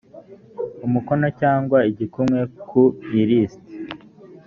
umukono cyangwa igikumwe ku ilisti